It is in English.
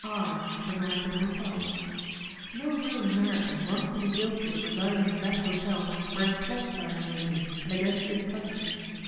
IR. American Hotels. No real American wants to be guilty of residing in that hotel wherein plots are in the making and against this country.